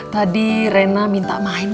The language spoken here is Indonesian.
tadi rena minta main